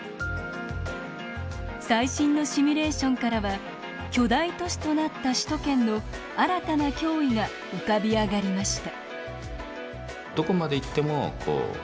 最新のシミューレーションからは巨大都市となった首都圏の新たな脅威が浮かび上がりました。